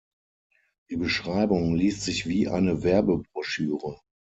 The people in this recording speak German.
Die Beschreibung liest sich wie eine Werbebroschüre.